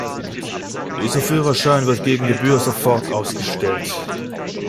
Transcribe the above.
Dieser Führerschein wird gegen Gebühr sofort ausgestellt.